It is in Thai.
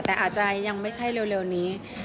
แต่อาจจะยังไม่ใช่เร็วนี้